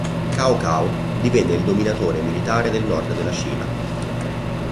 Cao Cao divenne il dominatore militare del nord della Cina.